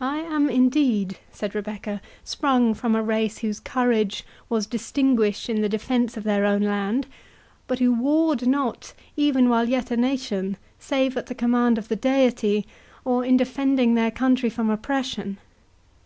"I am, indeed," said Rebecca, "sprung from a race whose courage was distinguished in the defence of their own land, but who warred not, even while yet a nation, save at the command of the Deity, or in defending their country from oppression.